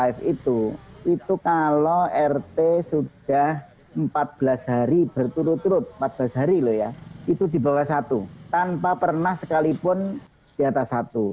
f itu itu kalau rt sudah empat belas hari berturut turut empat belas hari loh ya itu di bawah satu tanpa pernah sekalipun di atas satu